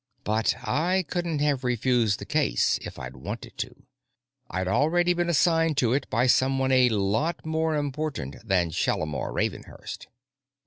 But I couldn't have refused this case if I'd wanted to. I'd already been assigned to it by someone a lot more important than Shalimar Ravenhurst.